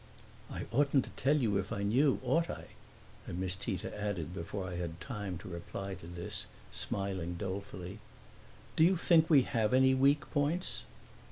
"I oughtn't to tell you if I knew, ought I?" And Miss Tita added, before I had time to reply to this, smiling dolefully, "Do you think we have any weak points?"